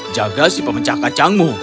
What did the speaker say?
jaga si pemecah kacangmu